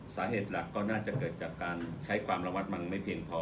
สาเหตุหลักก็น่าจะเกิดจากการใช้ความระวัดมันไม่เพียงพอ